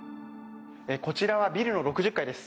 こちらはビルの６０階です。